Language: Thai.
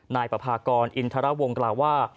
นายปภากรอินทรวงศ์ก็กล่าวว่า